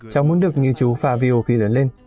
cháu muốn được như chú favio khi lớn lên